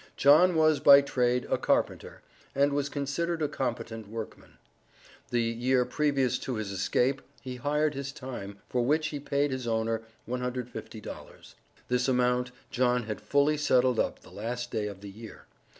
John was by trade, a carpenter, and was considered a competent workman. The year previous to his escape, he hired his time, for which he paid his owner $150. This amount John had fully settled up the last day of the year.